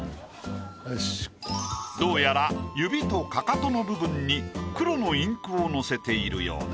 どうやら指とかかとの部分に黒のインクを乗せているようだ。